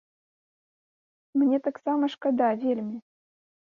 Мне таксама шкада, вельмі.